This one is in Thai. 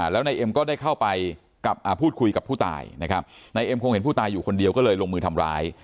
แล้วนายเอ็มก็ได้เข้าไปพูดคุยกับผู้ตายนะครับนายเอ็มคงเห็นผู้ตายอยู่คนเดียวก็เลยลงมือทำร้าย